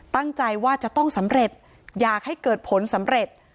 ตั้งใจว่าจะต้องสำเร็จอยากให้เกิดผลสำเร็จ